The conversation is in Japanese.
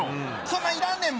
そんなんいらんねん